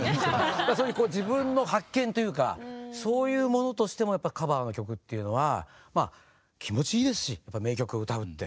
そういう自分の発見というかそういうものとしてもやっぱカバーの曲っていうのは気持ちいいですし名曲を歌うって。